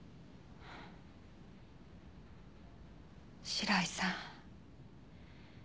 白井さん。